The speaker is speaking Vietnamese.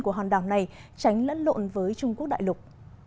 của hòn đảo này tránh lẫn lộn với trung quốc đại lục